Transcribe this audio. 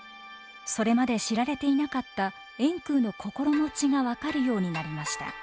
それまで知られていなかった円空の心持ちが分かるようになりました。